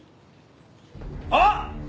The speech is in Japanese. あっ！